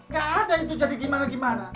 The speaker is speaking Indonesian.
gak ada itu jadi gimana gimana